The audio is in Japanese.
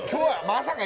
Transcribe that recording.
まさか！